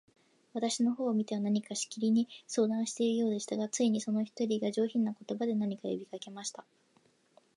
私の方を見ては、何かしきりに相談しているようでしたが、ついに、その一人が、上品な言葉で、何か呼びかけました。